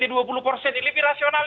ini lebih rasional